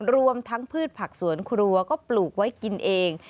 รวมทั้งพืชผักสวนครัวก็ปลูกไว้กินเอง